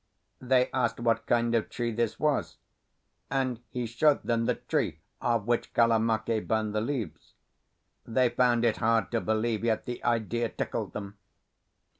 They asked what kind of tree this was, and he showed them the tree of which Kalamake burned the leaves. They found it hard to believe, yet the idea tickled them.